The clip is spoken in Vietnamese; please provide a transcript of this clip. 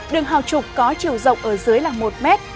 đường hào trục có chiều rộng ở dưới là một mét